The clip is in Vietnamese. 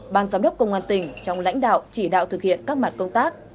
ban giám đốc công an tỉnh trong lãnh đạo chỉ đạo thực hiện các mặt công tác